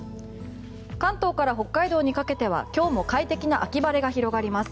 関東から北海道にかけては今日も快適な秋晴れが広がります。